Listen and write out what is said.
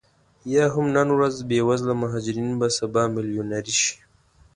یا هم نن ورځ بې وزله مهاجرین به سبا میلیونرې شي